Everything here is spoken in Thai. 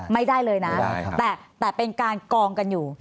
ไม่ได้เลยนะแต่เป็นการกองกันอยู่